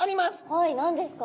はい何ですか？